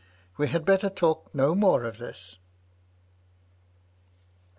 We had better talk no more of this."